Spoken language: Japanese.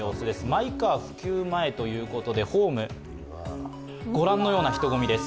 マイカー普及前ということでホーム、ご覧のような人混みです。